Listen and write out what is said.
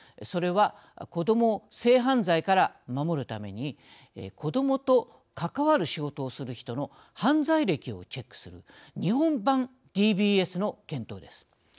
それは子どもを性犯罪から守るために子どもと関わる仕事をする人の犯罪歴をチェックする日本版ＤＢＳの検討です。